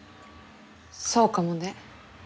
そうかもね。